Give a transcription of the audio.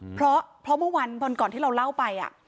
เพราะเพราะเมื่อวานวันก่อนที่เราเล่าไปอ่ะ